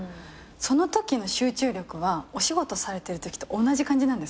そのときの集中力はお仕事されてるときと同じ感じなんですか？